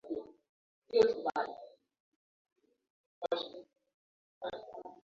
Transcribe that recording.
leo ushambo ambaye ameshinda